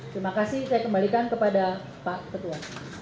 terima kasih saya kembalikan kepada pak ketua